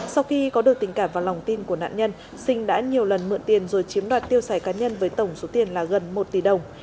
sau khi có được tình cảm và lòng tin của nạn nhân sinh đã nhiều lần mượn tiền rồi chiếm đoạt tiêu xài cá nhân với tổng số tiền là gần một tỷ đồng